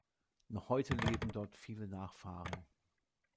Noch heute leben dort viele Nachfahren.